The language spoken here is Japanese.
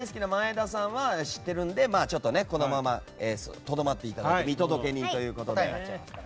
サンリオピューロランドが大好きな前田さんは知ってるのでこのままとどまっていただいて見届け人ということで。